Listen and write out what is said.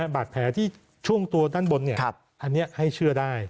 บาดแผลที่ช่วงตัวด้านบนอันนี้ให้เชื่อได้